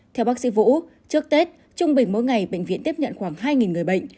theo bác sĩ vũ trước tết trung bình mỗi ngày bệnh viện tiếp nhận khoảng hai người bệnh